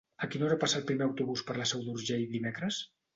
A quina hora passa el primer autobús per la Seu d'Urgell dimecres?